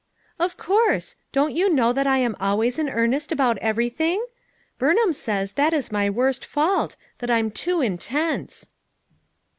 "Of course. Don't you know that I am al ways in earnest about everything? Rurnham says that is my worst fault; that I'm too in tense."